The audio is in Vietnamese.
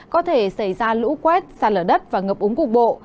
có thể xảy ra lũ quét sạt lở đất và ngập búng cục bộ